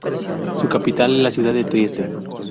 Su capital es la ciudad de Trieste.